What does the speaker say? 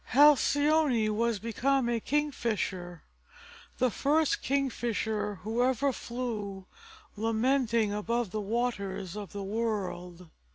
Halcyone was become a Kingfisher, the first Kingfisher who ever flew lamenting above the waters of the world.